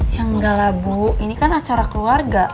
ya enggak lah bu ini kan acara keluarga